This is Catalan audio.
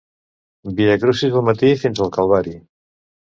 Viacrucis al matí, fins al Calvari.